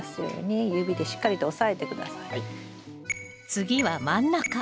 次は真ん中。